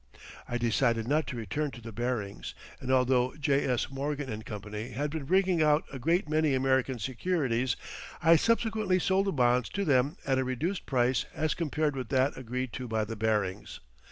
I decided not to return to the Barings, and although J.S. Morgan & Co. had been bringing out a great many American securities I subsequently sold the bonds to them at a reduced price as compared with that agreed to by the Barings.